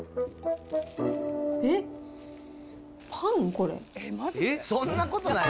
これ。